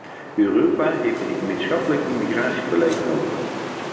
Europa heeft een gemeenschappelijk immigratiebeleid nodig.